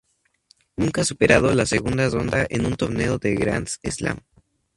Nunca ha superado la segunda ronda en un torneo de Grand Slam.